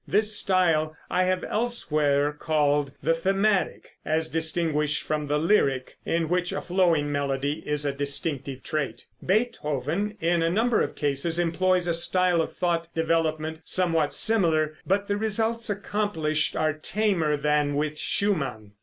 This style I have elsewhere called the "Thematic," as distinguished from the "Lyric," in which a flowing melody is a distinctive trait. Beethoven, in a number of cases, employs a style of thought development somewhat similar, but the results accomplished are tamer than with Schumann.